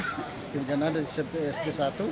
kemudian ada di sd satu